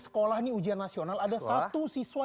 sekolah ini ujian nasional ada satu siswa